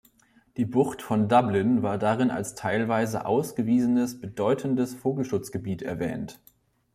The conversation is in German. Die Bucht von Dublin war darin als teilweise ausgewiesenes bedeutendes Vogelschutzgebiet erwähnt.